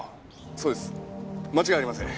そうです間違いありません。